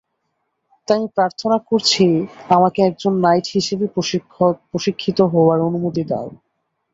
তাই আমি প্রার্থনা করছি আমাকে একজন নাইট হিসেবে প্রশিক্ষিত হওয়ার অনুমতি দাও।